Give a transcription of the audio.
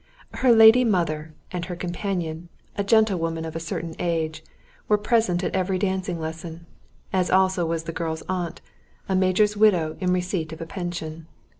Her lady mother and her companion, a gentlewoman of a certain age, were present at every dancing lesson, as also was the girl's aunt, a major's widow in receipt of a pension.